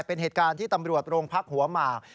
เป็นเหตุการณ์ที่ตำรวจโรงพักหัวหมาก